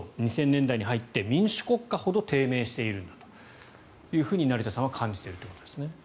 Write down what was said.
２０００年代に入って民主国家ほど低迷しているんだと成田さんは感じているということですね。